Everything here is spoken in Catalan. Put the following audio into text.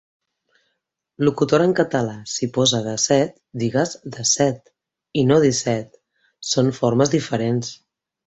Locutora en català, si posa 'dèsset' digues 'dèsset' i no 'disset'. Són formes diferents.